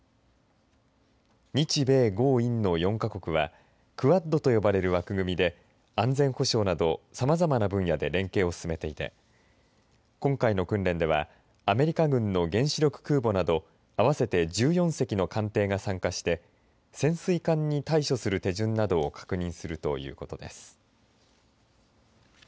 日米豪印の４か国はクアッドと呼ばれる枠組みで安全保障など、さまざまな分野で連携を進めていて今回の訓練ではアメリカ軍の原子力空母など合わせて１４隻の艦艇が参加して潜水艦に対処する手順などを確認するということです。